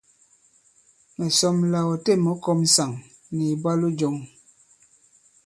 Mɛ̀ sɔm la ɔ têm ɔ kɔ̄m ŋsàŋ nì ìbwalo jɔ̄ŋ.